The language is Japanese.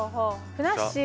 ふなっしーは？